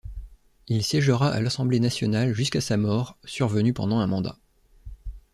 Il siégera à l'Assemblée nationale jusqu'à sa mort survenue pendant un mandat.